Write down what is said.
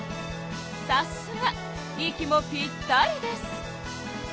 さすが息もぴったりです！